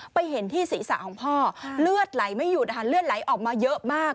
เห็นที่ศีรษะของพ่อเลือดไหลไม่หยุดนะคะเลือดไหลออกมาเยอะมาก